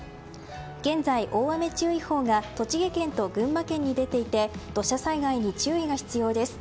現在、大雨注意報が栃木県と群馬県に出ていて土砂災害に注意が必要です。